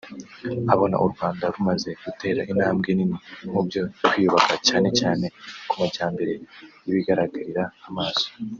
abona u Rwanda rumaze gutera intambwe nini mubyo kwiyubaka cyane cyane ku majyambere y’ibigaragarira amaso